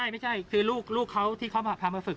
ไม่ใช่คือลูกเขาที่เขาพามาฝึก